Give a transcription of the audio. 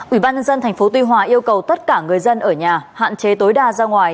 ủy ban nhân dân tp tuy hòa yêu cầu tất cả người dân ở nhà hạn chế tối đa ra ngoài